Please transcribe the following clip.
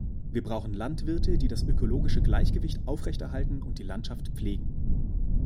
Wir brauchen Landwirte, die das ökologische Gleichgewicht aufrechterhalten und die Landschaft pflegen.